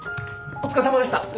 お疲れさまでした。